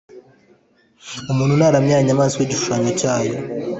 Umuntu naramya ya nyamaswa n‟igishushanyo cyayo